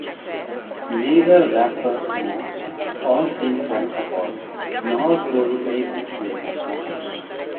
Neither rapper smokes or drinks alcohol, nor glorifies it in their songs.